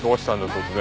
突然。